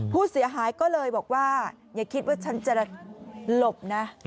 ผู้เสียหายก็เลยบอกว่าอย่าคิดว่าฉันจะหลบนะ